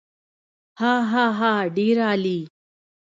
هاهاها ډېر عالي.